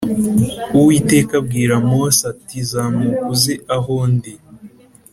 Uwiteka abwira Mose ati Zamuka uze aho ndi